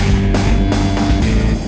udah bocan mbak